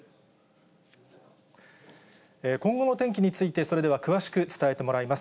今後の天気について、それでは詳しく伝えてもらいます。